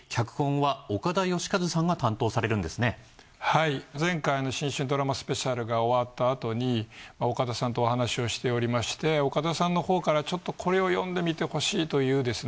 はい前回の「新春ドラマスペシャル」が終わったあとに岡田さんとお話をしておりまして岡田さんのほうからちょっとこれを読んでみてほしいというですね